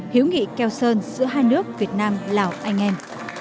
hiếu nghị keo sơn giữa hai nước việt nam lào anh em